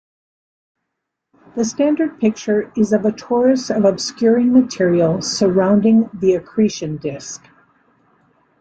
The standard picture is of a torus of obscuring material surrounding the accretion disc.